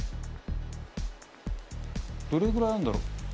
どれぐらいあんだろ？